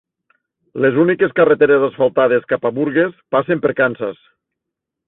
Les úniques carreteres asfaltades cap a Burgess passen per Kansas.